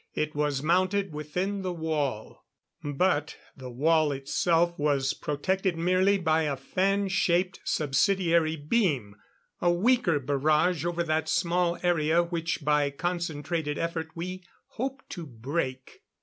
It was mounted within the wall; but the wall itself was protected merely by a fan shaped subsidiary beam a weaker barrage over that small area, which by concentrated effort we hoped to break.